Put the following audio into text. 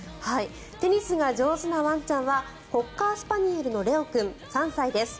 テニスが上手なワンちゃんはコッカースパニエルのレオ君３歳です。